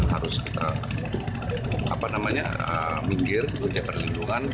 harus kita minggir punya perlindungan